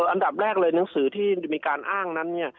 อันดับแรกเลยหนังสือที่มีการอ้างนั้นเนี่ย